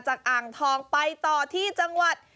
อ่างทองไปต่อที่จังหวัด